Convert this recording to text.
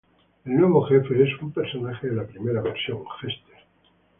El nuevo jefe es un personaje de la primera versión, Jester.